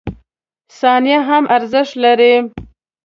• ثانیه هم ارزښت لري.